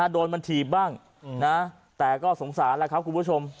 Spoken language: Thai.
โดนมันถีบบ้างนะแต่ก็สงสารแล้วครับคุณผู้ชม